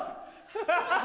ハハハ！